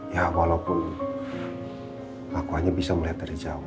ya walaupun aku hanya bisa melihat dari jauh